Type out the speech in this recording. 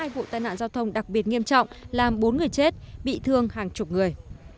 hai vụ tai nạn giao thông đặc biệt nghiêm trọng làm bốn người chết bị thương hàng chục người